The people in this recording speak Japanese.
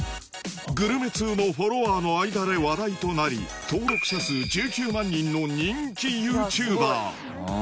グルメ通のフォロワーの間で話題となり登録者数１９万人の人気ＹｏｕＴｕｂｅｒ！